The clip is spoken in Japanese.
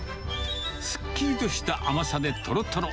すっきりとした甘さでとろとろ。